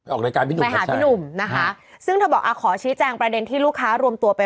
ออกรายการพี่หนุ่มครับใช่